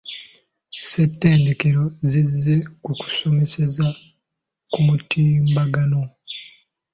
Ssettendekero zizze ku kusomeseza ku mutimbagano.